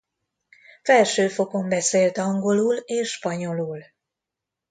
Felsőfokon beszélt angolul és spanyolul.